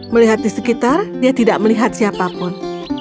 melihat di sekitar dia tidak melihat siapapun